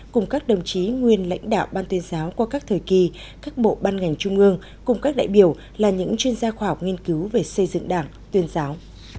cùng các đồng chí nguyên lãnh đạo ban tuyên giáo qua các thời kỳ các bộ ban ngành trung ương cùng các đại biểu là những chuyên gia khoa học nghiên cứu về xây dựng đảng tuyên giáo